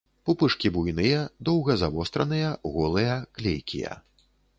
Пупышкі буйныя, доўга-завостраныя, голыя, клейкія.